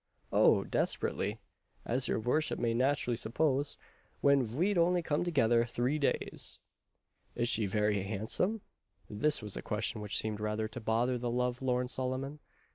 "Oh! desperately, as your vorship may natt'rully suppose, when ve'd only come together three days." "Is she very handsome?" This was a question which seemed rather to bother the love lorn Solomon.